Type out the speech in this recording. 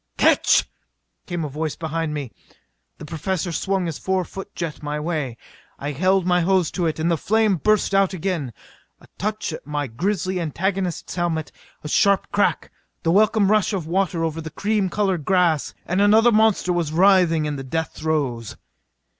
"Catch!" came a voice behind me. The Professor swung his four foot jet my way. I held my hose to it, and the flame burst out again. A touch at my grisly antagonist's helmet a sharp crack the welcome rush of water over the cream colored grass and another monster was writhing in the death throes!